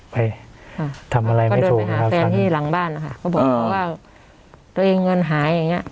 ไปทำอะไรไม่ถูกที่หลังบ้านอ่ะค่ะก็บอกว่าตัวเองเงินหายอย่างเงี้ย